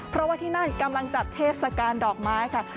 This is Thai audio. เพราะว่าที่นั่นกำลังจัดเทศกาลดอกไม้ค่ะ